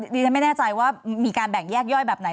ดิฉันไม่แน่ใจว่ามีการแบ่งแยกย่อยแบบไหน